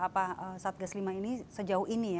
apa saat gas lima ini sejauh ini